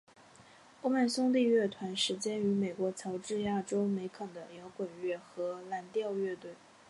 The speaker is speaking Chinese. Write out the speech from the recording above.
欧曼兄弟乐团始建于美国乔治亚州梅肯的摇滚乐和蓝调乐团。